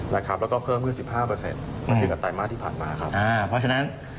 และเพิ่มนึง๑๕มาถึงกับไตรมาสที่ผ่านมา